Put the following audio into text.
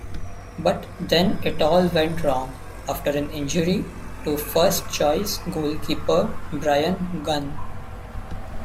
But then it all went wrong, after an injury to first-choice goalkeeper Bryan Gunn.